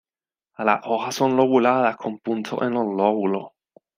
Las hojas son lobuladas con puntos en los lóbulos.